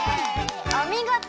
おみごと！